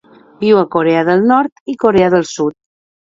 Viu a Corea del Nord i Corea del Sud.